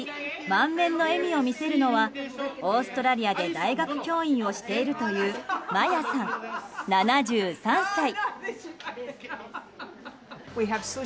満面の笑みを見せるのはオーストラリアで大学教員をしているというマヤさん、７３歳。